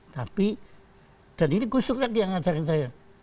tapi dan ini gusuk kan dia yang ajarin saya